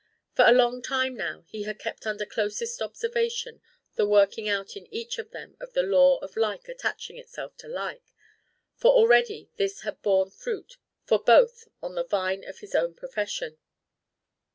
For a long time now he had kept under closest observation the working out in each of them of the law of like attaching itself to like; for already this had borne fruit for both on the vine of his own profession.